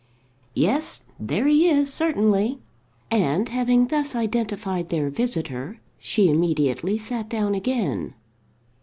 "Yes; there he is, certainly," and, having thus identified their visitor, she immediately sat down again.